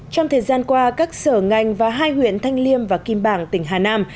trong thời gian qua các sở ngành và hai huyện thanh liêm và kim bảng tỉnh hà nam